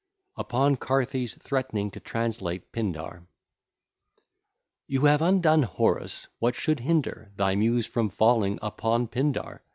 UPON CARTHY'S THREATENING TO TRANSLATE PINDAR You have undone Horace, what should hinder Thy Muse from falling upon Pindar?